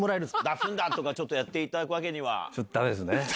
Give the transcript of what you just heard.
「だっふんだ」とかちょっとやっていただくわけには。